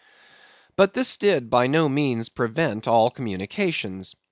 But this did by no means prevent all communications.